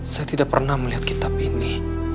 saya tidak pernah melihat kitab ini